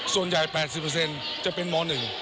ส่วนใหญ่๘๐จะเป็นม๑